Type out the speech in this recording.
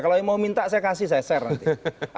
kalau yang mau minta saya kasih saya share nanti